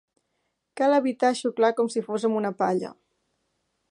Cal evitar xuclar com si fos amb una palla.